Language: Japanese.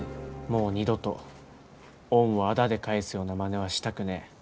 もう二度と恩をあだで返すようなまねはしたくねえ。